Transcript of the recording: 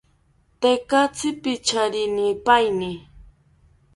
Tekatzi picharinipaeni